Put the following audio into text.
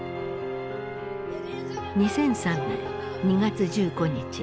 ２００３年２月１５日。